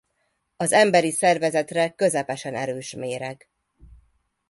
Az emberi szervezetre közepesen erős méreg.